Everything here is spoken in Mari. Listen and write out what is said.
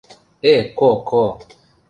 Э-ко-ко...